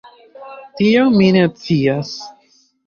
Tion mi ne scias.